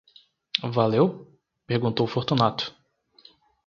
Valeu? perguntou Fortunato.